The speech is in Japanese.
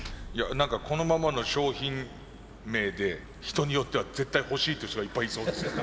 何かこのままの商品名で人によっては絶対欲しいっていう人がいっぱいいそうですよ。